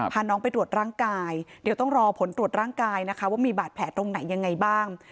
พาน้องไปตรวจร่างกายเดี๋ยวต้องรอผลตรวจร่างกายนะคะว่ามีบาดแผลตรงไหนยังไงบ้าง